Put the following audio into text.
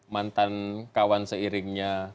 mantan kawan seiringnya